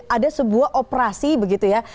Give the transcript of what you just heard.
ada sebuah operasi begitu ya